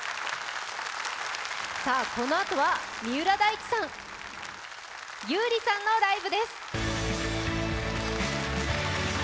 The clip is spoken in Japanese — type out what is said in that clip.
このあとは三浦大知さん、優里さんの「ビオレＵＶ」